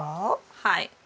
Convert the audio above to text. はい。